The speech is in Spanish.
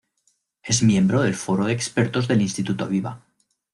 Es miembro del Foro de Expertos del Instituto Aviva.